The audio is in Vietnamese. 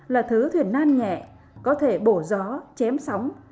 là thứ thuyền nan nhẹ có thể bổ gió chém sóng